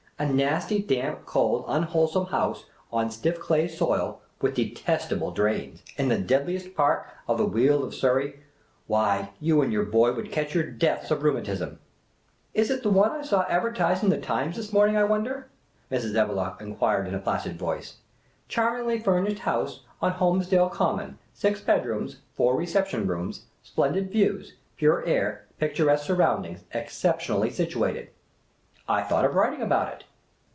A nasty, damp, cold, unwholesome house, on stiff clay soil, with detestable drains, in the dead liest part of the Weald of Surrey, — why, you and your boy would catch your deaths of rheumatism." "Is it the one I saw advertised in the Times this morn ing, I wonder? " Mrs. Evelegh enquired in a placid voice. "' Charmingly furnished house on Holmesdale Common ; six bedrooms, four reception rooms ; splendid views ; pure air; picturesque surroundings; exceptionally situated.' I thought of writing about it."